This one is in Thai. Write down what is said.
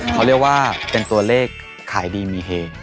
เขาเรียกว่าเป็นตัวเลขขายดีมีเฮ